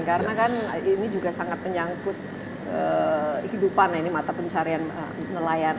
karena kan ini juga sangat menyangkut kehidupan ini mata pencarian nelayan